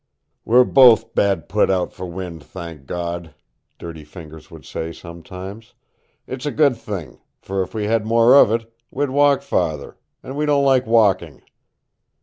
"We're both bad put out for wind, thank God," Dirty Fingers would say sometimes. "It's a good thing, for if we had more of it, we'd walk farther, and we don't like walking."